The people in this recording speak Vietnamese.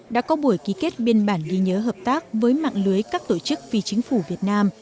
đã có buổi ký kết biên bản ghi nhớ hợp tác với mạng lưới các tổ chức phi chính phủ việt nam